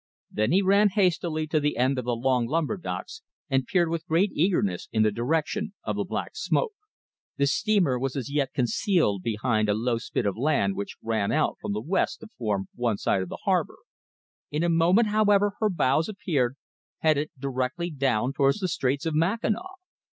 Then he ran hastily to the end of the long lumber docks, and peered with great eagerness in the direction of the black smoke. The steamer was as yet concealed behind a low spit of land which ran out from the west to form one side of the harbor. In a moment, however, her bows appeared, headed directly down towards the Straits of Mackinaw.